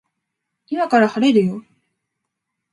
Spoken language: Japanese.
今から晴れるよ